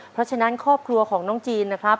เพราะฉะนั้นครอบครัวของน้องจีนนะครับ